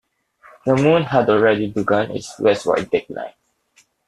The moon had already begun its westward decline.